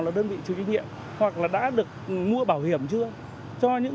đã đăng ký với lại các cơ quan